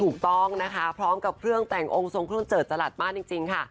ถูกต้องนะคะพร้อมกับเครื่องแต่งองค์ทรงเครื่องเจิดจรัสมากจริงค่ะ